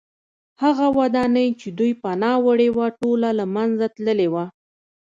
هغه ودانۍ چې دوی پناه وړې وه ټوله له منځه تللې وه